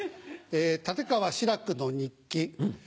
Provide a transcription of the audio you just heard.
立川志らくの日記。